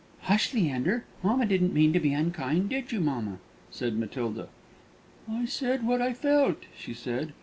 "Hush, Leander! Mamma didn't mean to be unkind; did you, mamma?" said Matilda. "I said what I felt," she said.